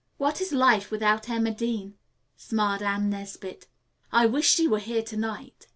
"What is life without Emma Dean?" smiled Anne Nesbit. "I wish she were here to night."